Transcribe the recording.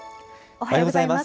おはようございます。